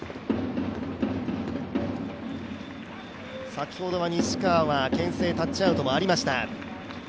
先ほどは西川は牽制、タッチアウトもありました。